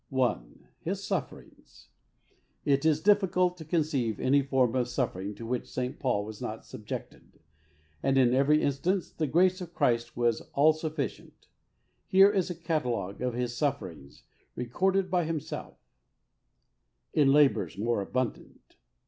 I. His sufferings. It is difficult to conceive any form of suffering to which St. Paul was not subjected, and in every instance the grace of Christ was all sufficient. Here is a catalogue of his sufferings recorded by himself :" In labours more abundant.